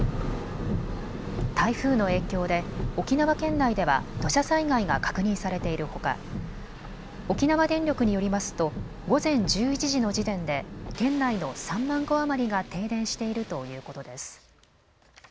台風の影響で沖縄県内では土砂災害が確認されているほか沖縄電力によりますと午前１１時の時点で県内の３万戸余りが停電しているということです。